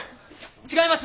違います！